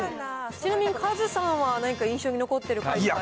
ちなみにカズさんは何か印象に残ってるのありますか。